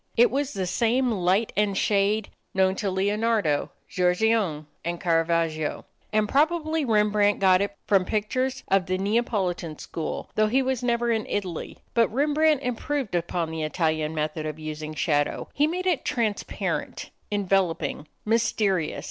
It was the same light and shade known to Leonardo, Giorgione, and Carravagio, and probably Rembrandt got it from pictures of the Neapolitan School, though he never was in Italy. But Rembrandt improved upon the Italian method of using shadow. He made it transparent, enveloping, mysterious.